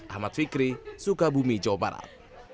ahmad fikri sukabumi jawa barat